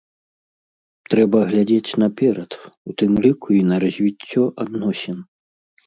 Трэба глядзець наперад, у тым ліку і на развіццё адносін.